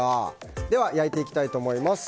では、焼いていきたいと思います。